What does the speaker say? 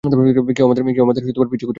কেউ আমাদের পিছু করছে না।